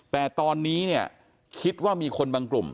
แต่ตอนนี้เนี่ยคิดว่ามีคนบางกลุ่ม